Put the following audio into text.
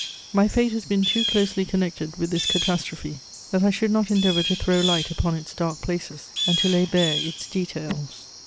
My fate has been too closely connected with this catastrophe that I should not endeavour to throw light upon its dark places and to lay bare its details.